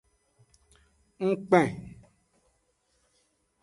Ngkpen.